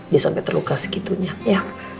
dia sampai terluka segitunya